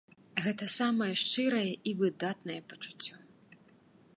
Гэта самае шчырае і выдатнае пачуццё.